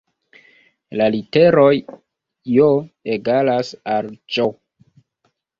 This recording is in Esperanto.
La literoj J egalas al Ĝ